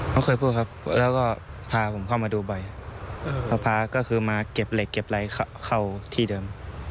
ไม่เคยพูดครับแล้วก็พาผมเข้ามาดูบ่อยพอพาก็คือมาเก็บเหล็กเก็บอะไรเข้าที่เดิม